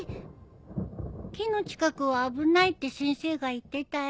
木の近くは危ないって先生が言ってたよ。